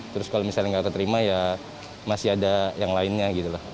terus kalau misalnya nggak keterima ya masih ada yang lainnya gitu loh